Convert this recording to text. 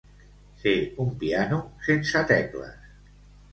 Ser un piano sense tecles.